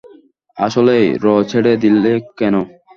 আসলেই, র ছেড়ে দিলে কেন?